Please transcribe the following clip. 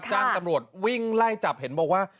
แจ้งตำรวจวิ่งไล่จับเห็นบอกว่า